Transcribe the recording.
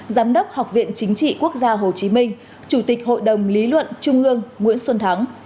giám đốc học viện chính trị quốc gia hồ chí minh chủ tịch hội đồng lý luận trung ương nguyễn xuân thắng